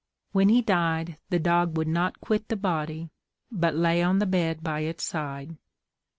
When he died the dog would not quit the body, but lay on the bed by its side.